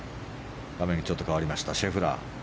画面ちょっと変わりましたシェフラー。